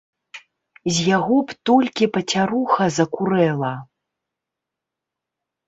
З яго б толькі пацяруха закурэла!